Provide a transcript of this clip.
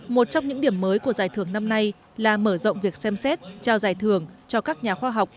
một trong những điểm mới của giải thưởng năm nay là mở rộng việc xem xét trao giải thưởng cho các nhà khoa học